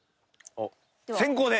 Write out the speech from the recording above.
先攻で。